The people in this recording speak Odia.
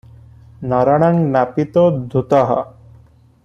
'ନରାଣାଂ ନାପିତୋ ଧୂର୍ତ୍ତଃ' ।